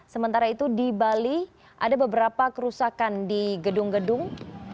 sementara itu di bali ada beberapa kerusakan di gedung gedung